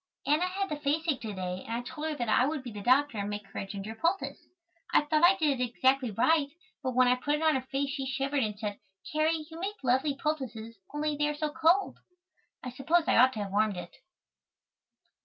Anna had the faceache to day and I told her that I would be the doctor and make her a ginger poultice. I thought I did it exactly right but when I put it on her face she shivered and said: "Carrie, you make lovely poultices only they are so cold." I suppose I ought to have warmed it.